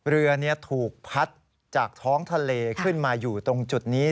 เรือถูกพัดจากท้องทะเลขึ้นมาอยู่ตรงจุดนี้